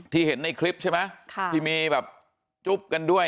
เห็นในคลิปใช่ไหมที่มีแบบจุ๊บกันด้วย